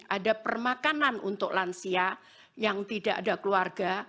ada permakanan untuk lansia yang tidak ada keluarga